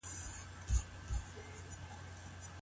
د ویني معاینې څومره وخت نیسي؟